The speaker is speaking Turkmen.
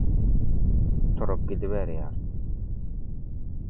turup gidiberýär.